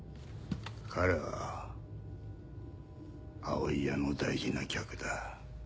彼は葵屋の大事な客だ。